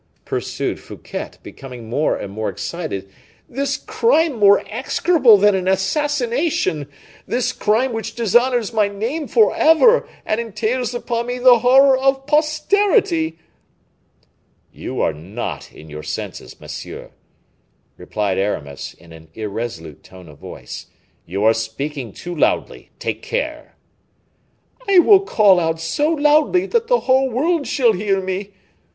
pursued Fouquet, becoming more and more excited; "this crime more execrable than an assassination! this crime which dishonors my name forever, and entails upon me the horror of posterity." "You are not in your senses, monsieur," replied Aramis, in an irresolute tone of voice; "you are speaking too loudly; take care!" "I will call out so loudly, that the whole world shall hear me."